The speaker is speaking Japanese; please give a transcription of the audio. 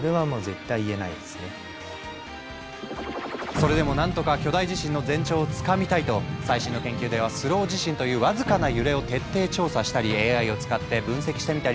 それでもなんとか巨大地震の前兆をつかみたいと最新の研究ではスロー地震という僅かな揺れを徹底調査したりＡＩを使って分析してみたり。